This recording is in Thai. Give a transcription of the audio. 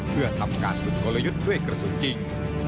เพื่อทำการฝึกกลยุทธ์ด้วยกระสุนจริง